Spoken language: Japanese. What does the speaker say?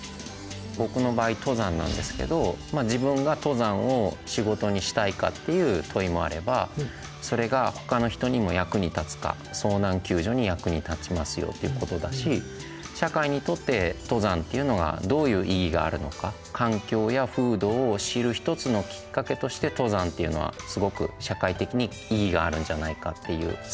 ぼくの場合登山なんですけど自分が登山を仕事にしたいかっていう問いもあればそれがほかの人にも役に立つか遭難救助に役に立ちますよっていうことだし社会にとって登山っていうのがどういう意義があるのか環境や風土を知る一つのきっかけとして登山っていうのはすごく社会的に意義があるんじゃないかっていう。